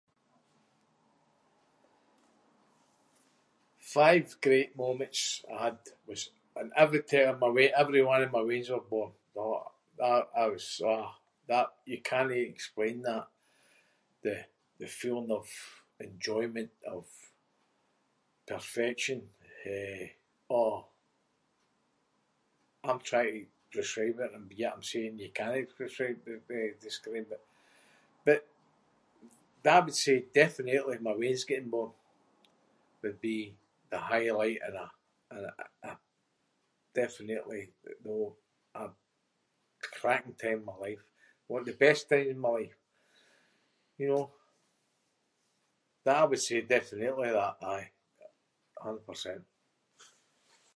Five great moments I had was when every time my weans- every one of my weans were born. Aw, that- that was- aw, that- you cannae explain that. The- the feeling of enjoyment- of perfection. Eh, aw, I’m trying to describe it and yet I’m saying you cannae prescribe- eh, describe it. But I would say definitely my weans getting born would be the highlight and I- and I- definitely, know, a crackin’ time in my life. One of the best times in my life, you know? Th- I would say definitely that. Aye. A hunner percent.